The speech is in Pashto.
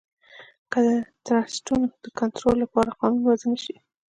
که د ټرسټونو د کنترول لپاره قانون وضعه نه شي.